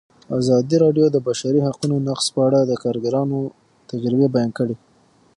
ازادي راډیو د د بشري حقونو نقض په اړه د کارګرانو تجربې بیان کړي.